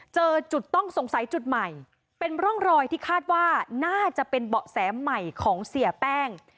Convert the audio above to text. เจอจุดต้องสงสัยจุดใหม่เป็นร่องรอยที่คาดว่าน่าจะเป็นเบาะแสใหม่ของเสียแป้ง